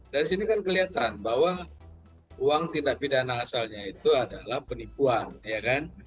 dari sini kan kelihatan bahwa uang tindak pidana asalnya itu adalah penipuan ya kan